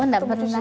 oh enggak pernah